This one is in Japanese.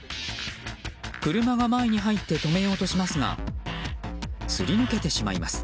車が前に入って止めようとしますがすり抜けてしまいます。